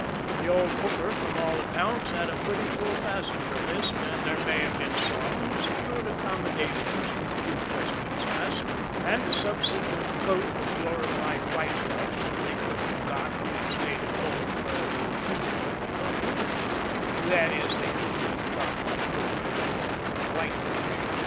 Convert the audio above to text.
The old hooker, from all accounts, had a pretty full passenger list, and there may have been some who secured accommodations with few questions asked, and a subsequent coat of glorified whitewash that they couldn't have got if they'd stayed at home where they were intimately known that is, they couldn't have got the coat of glorified whitewash.